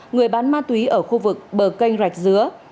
người bán ma túy ở khu vực bờ kênh rạch dứa